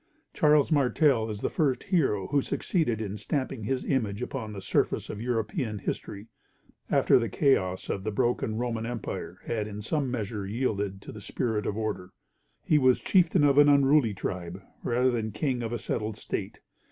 Charles Martel is the first hero who succeeded in stamping his image upon the surface of European history, after the chaos of the broken Roman empire had in some measure yielded to the spirit of order. He was chieftain of an unruly tribe, rather than king of a settled state.